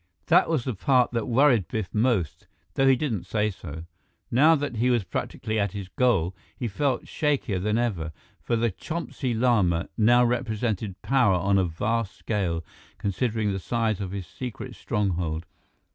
That was the part that worried Biff most, though he didn't say so. Now that he was practically at his goal, he felt shakier than ever, for the Chonsi Lama now represented power on a vast scale, considering the size of his secret stronghold.